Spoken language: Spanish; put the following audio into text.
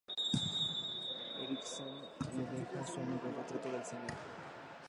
Erskine le deja a su amigo el retrato del Sr.